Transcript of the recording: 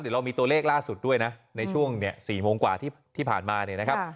เดี๋ยวเรามีตัวเลขล่าสุดด้วยนะในช่วง๔โมงกว่าที่ผ่านมาเนี่ยนะครับ